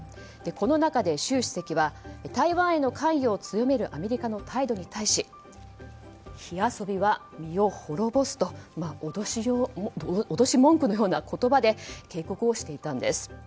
この中で習主席は台湾への関与を強めるアメリカの態度に対し火遊びは身を滅ぼすと脅し文句のような言葉で警告をしていたんです。